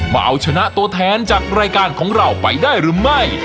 มาเอาชนะตัวแทนจากรายการของเราไปได้หรือไม่